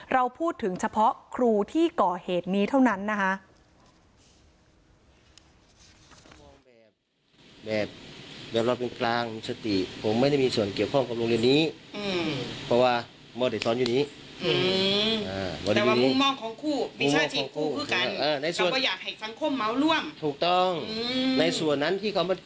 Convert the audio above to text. เราพูดถึงเฉพาะครูที่ก่อเหตุนี้เท่านั้นนะคะ